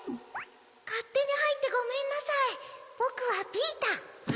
かってにはいってごめんなさいぼくはピーター。